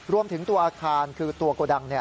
รวมถึงตัวอาคารคือตัวโกดัง